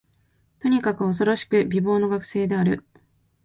とにかく、おそろしく美貌の学生である